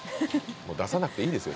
もう出さなくていいですよ